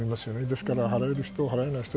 ですから払える人払えない人